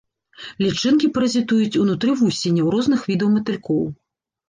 Лічынкі паразітуюць унутры вусеняў розных відаў матылькоў.